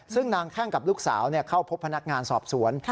ซึ่งนางแข้งกับลูกสาวเข้าพบพนักงานสอบสวน